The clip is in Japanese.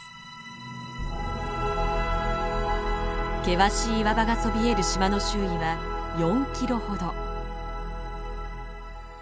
険しい岩場がそびえる島の周囲は４キロほど。